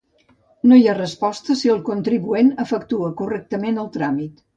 No hi ha resposta si el contribuent efectua correctament el tràmit.